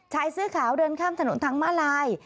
ชายเสื้อขาวเดินข้ามถนนทางมาลาย